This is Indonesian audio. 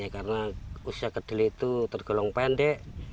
karena usia kedelai itu tergolong pendek